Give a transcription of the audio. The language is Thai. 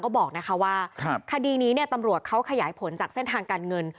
บอกนะคะว่าคดีนี้ตำรวจเขาขยายผลจากเส้นทางการเงิน